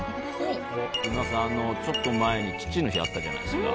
ちょっと前に父の日あったじゃないですか。